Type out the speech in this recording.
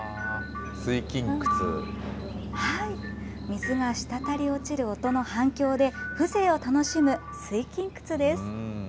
水がしたたり落ちる音の反響で、風情を楽しむ水琴窟です。